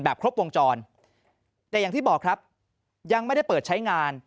ครบวงจรแต่อย่างที่บอกครับยังไม่ได้เปิดใช้งาน